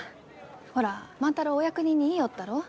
ほら万太郎お役人に言いよったろう？